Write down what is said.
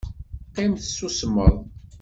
Qqim tessusmeḍ!